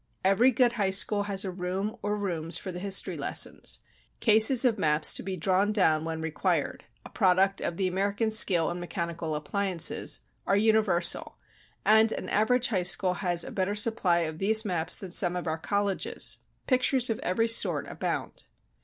Every good high school has a room or rooms for the history lessons; cases of maps to be drawn down when required a product of the American skill in mechanical appliances are universal, and an average high school has a better supply of these maps than some of our colleges. Pictures of every sort abound.